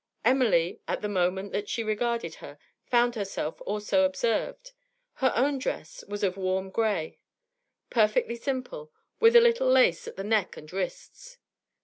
Emily, at the moment that she regarded her, found herself also observed. Her own dress was of warm grey, perfectly simple, with a little lace at the neck and wrists.